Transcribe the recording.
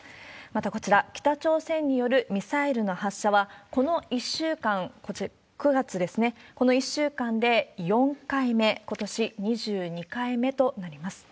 また、こちら、北朝鮮によるミサイルの発射は、この１週間、９月ですね、この１週間で４回目、ことし２２回目となります。